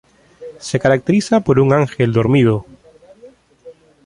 Se caracteriza por un ángel dormido.